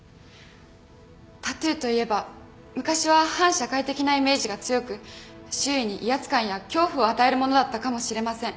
タトゥーといえば昔は反社会的なイメージが強く周囲に威圧感や恐怖を与えるものだったかもしれません。